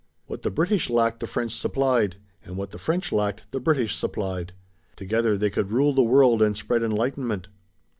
What the British lacked the French supplied, and what the French lacked the British supplied. Together they could rule the world and spread enlightenment.